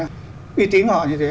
uy tín họ như thế